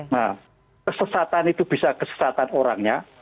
nah kesesatan itu bisa kesesatan orangnya